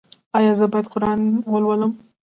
ایا زه باید قرآن ولولم؟